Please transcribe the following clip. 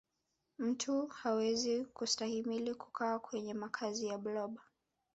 mtu hawezi kustahimili kukaa kwenye makazi ya blob